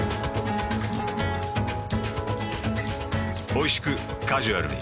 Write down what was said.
おいしくカジュアルに。